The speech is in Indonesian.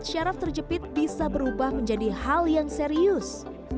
syaraf terjepit bisa berubah menjadi hal yang serius